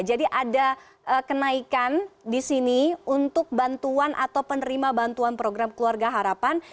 jadi ada kenaikan di sini untuk bantuan atau penerima bantuan program keluarga harapan